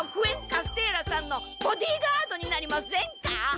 ・カステーラさんのボディーガードになりませんか？